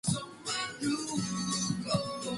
Its summit stands high and lies east of downtown Montreal.